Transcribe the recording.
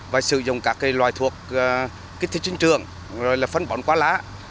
và sử dụng các loài thuộc kích thích trên trường rồi là phân bón qua lá